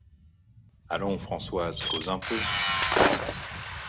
Allons, Françoise, cause un peu.